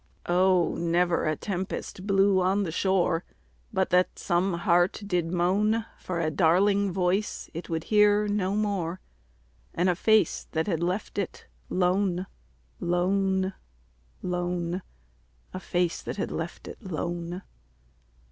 Oh! never a tempest blew on the shore But that some heart did moan For a darling voice it would hear no more And a face that had left it lone, lone, lone A face that had left it lone!